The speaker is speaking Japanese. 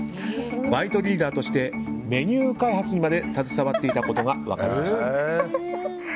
バイトリーダーとしてメニュー開発にまで携わっていたことが分かりました。